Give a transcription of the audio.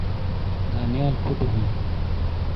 دانیال کھُوٹو ھُوں ۔